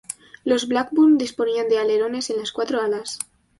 Los Blackburn disponían de alerones en las cuatro alas.